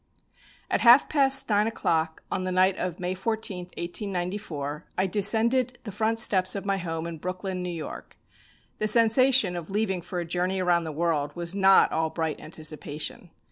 At half past nine o'clock on the night of May 14, 1894, I descended the front steps of my home in Brooklyn, N.Y. The sensation of leaving for a journey around the world was not all bright anticipation.